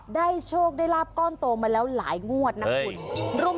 โชคได้ลาบก้อนโตมาแล้วหลายงวดนะคุณ